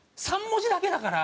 ３文字だけだから。